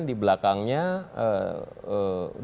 di belakangnya mungkin teten mas duki ya kepala staf khusus